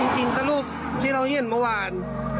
จริงถ้ารูปที่เราเห็นเมื่อวาน